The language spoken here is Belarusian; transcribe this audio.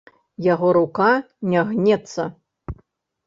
Яго рука не гнецца.